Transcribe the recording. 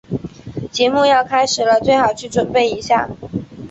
节目要开始了，最好去准备一下。